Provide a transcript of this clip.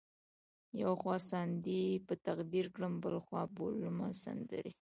یو خوا ساندې په تقدیر کړم بل خوا بولمه سندرې